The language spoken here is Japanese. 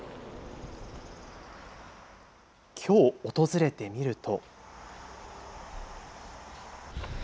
きょう、訪れてみると。